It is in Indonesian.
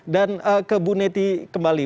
dan ke bu neti kembali